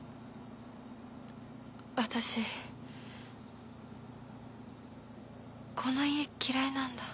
わたしこの家嫌いなんだ。